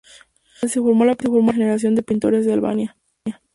Donde se formó la primera generación de pintores de Albania.